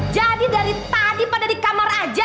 jadi dari tadi pada di kamar aja